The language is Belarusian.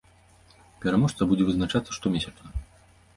Пераможца будзе вызначацца штомесячна.